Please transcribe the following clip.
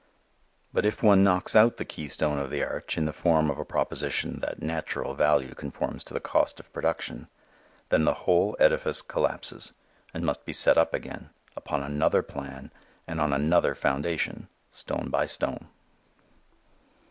But if one knocks out the keystone of the arch in the form of a proposition that natural value conforms to the cost of production, then the whole edifice collapses and must be set up again, upon another plan and on another foundation, stone by stone.